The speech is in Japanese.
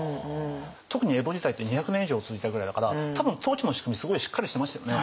特に江戸時代って２００年以上続いたぐらいだから多分統治の仕組みすごいしっかりしてましたよね。